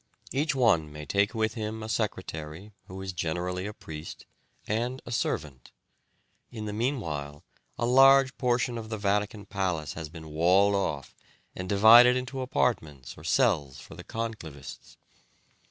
Each one may take with him a secretary, who is generally a priest, and a servant. In the meanwhile a large portion of the Vatican palace has been walled off and divided into apartments or cells for the conclavists.